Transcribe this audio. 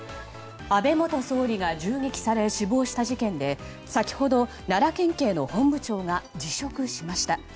安倍元総理が銃撃され死亡した事件で先程、奈良県警の本部長が辞職しました。